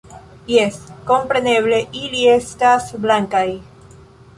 - Jes, kompreneble, ili estas blankaj...